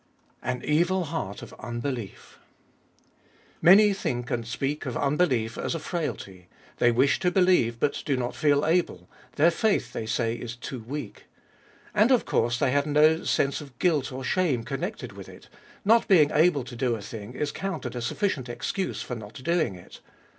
An evil heart of unbelief. Many think and speak of unbelief as a frailty ; they wish to believe, but do not feel able ; their faith, they say, is too weak. And of course they have no sense of guilt or shame connected with it : not being able to do a thing is counted a sufficient excuse for not doing it.